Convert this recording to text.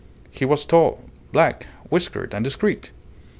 He was tall, black whiskered, and discreet.